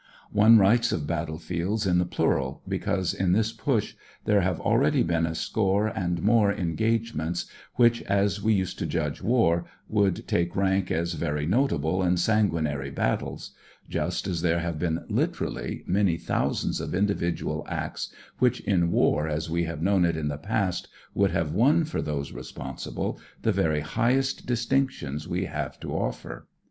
One writes of battlefields in the plural, because in this Push there have already been a score and more engage ments which, as we used to judge war, would take rank as very notable and sanguinary battles; just as there have been, literally, many thousands of indi vidual acts which, in war as we have known it in the past, would have won for those 20 SPIRIT OF BRITISH SOLDIER 21 responsible the very highest distinctions we have to offer.